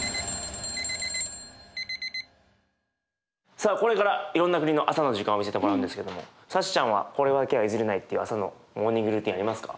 さあこれからいろんな国の朝の時間を見せてもらうんですけどもサチちゃんはこれだけは譲れないっていう朝のモーニングルーティンありますか？